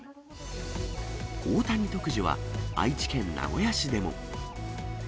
大谷特需は、愛知県名古屋市でも。